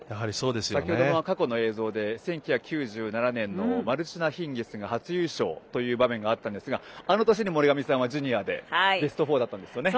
先程、過去の映像で１９９７年のマルチナ・ヒンギスが初優勝という場面がありましたがあの年に、森上さんはジュニアでベスト４だったんですよね。